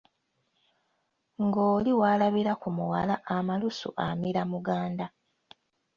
Ng'oli walabira ku muwala amalusu amira muganda.